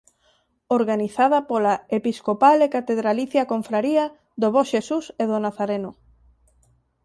Organizada pola Episcopal e Catedralicia Confraría do Bo Xesús e do Nazareno.